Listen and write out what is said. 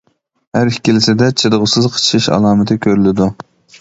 ھەر ئىككىلىسىدە چىدىغۇسىز قىچىشىش ئالامىتى كۆرۈلىدۇ.